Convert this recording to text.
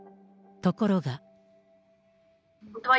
ところが。